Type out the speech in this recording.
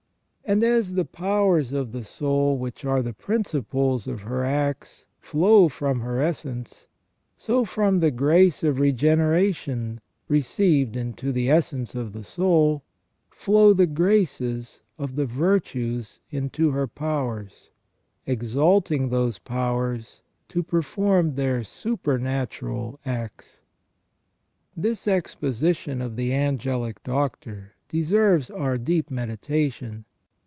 And as the powers of the soul, which are the principles of her acts, flow from her essence, so from the grace of regeneration, re ceived into the essence of the soul, flow the graces of the virtues WHY MAN IS MADE TO THE IMAGE OF GOD. 43 into her powers, exalting those powers to perform their super natural acts.* This exposition of the Angelic Doctor deserves our deep medi tation.